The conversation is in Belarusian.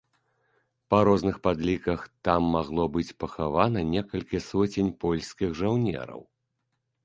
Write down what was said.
Па розных падліках, там магло быць пахавана некалькі соцень польскіх жаўнераў.